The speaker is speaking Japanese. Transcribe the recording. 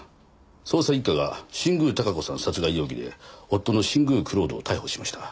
捜査一課が新宮孝子さん殺害容疑で夫の新宮蔵人を逮捕しました。